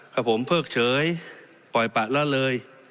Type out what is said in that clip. ครับผมเพิกเฉยปล่อยปะละเลย